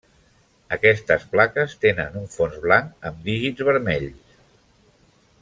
Aquestes plaques tenen un fons blanc amb dígits vermells.